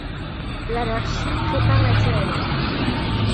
L'anarchie prépare la tyrannie.